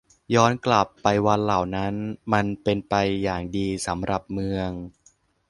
ย้อนกลับไปวันเหล่านั้น มันเป็นไปอย่างดีสำหรับเมือง